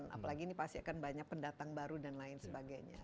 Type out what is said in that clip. apalagi ini pasti akan banyak pendatang baru dan lain sebagainya